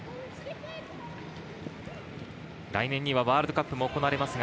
来年にはワールドカップも行われます。